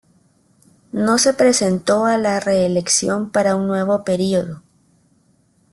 No se presentó a la reelección para un nuevo período.